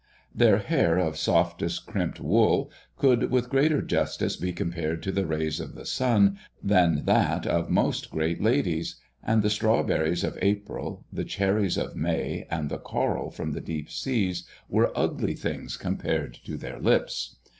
Their hair of softest crimped wool could with greater justice be compared to the rays of the sun than that of most great ladies; and the strawberries of April, the cherries of May, and the coral from the deep seas were ugly things compared to their lips.